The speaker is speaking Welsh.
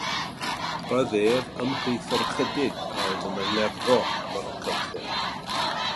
Roedd ef ymhlith yr ychydig a oedd yn angerddol am yr amgylchedd.